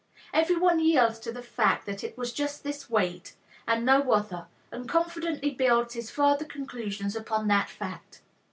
Everyone yields to the fact that it was just this weight and no other, and confidently builds his further conclusions upon that fact.